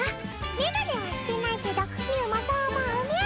メガネはしてないけどみゅーもそう思うみゃ。